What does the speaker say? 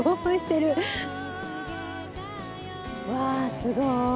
うわすごーい。